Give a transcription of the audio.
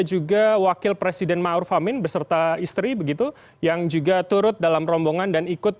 juga wakil presiden ⁇ maruf ⁇ amin beserta istri begitu yang juga turut dalam rombongan dan ikut